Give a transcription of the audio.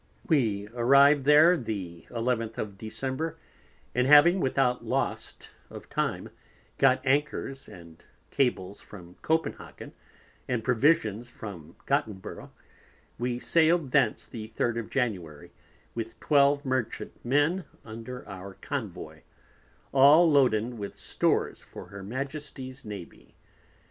We arrived there the 11th of December, and having without lost of time got Anchors and Cables from Copenhagen, and Provisions from Gottenbourgh, we sailed thence the Third of January, with twelve Merchant Men under our Convoy, all loaden with Stores for her Majesty's Navy.